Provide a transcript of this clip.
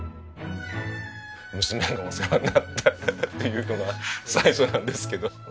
娘がお世話になったっていうのが最初なんですけど。